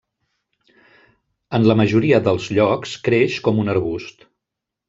En la majoria dels llocs creix com un arbust.